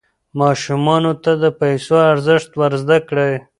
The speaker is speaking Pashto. ماشومانو ته د پیسو ارزښت ور زده کړئ.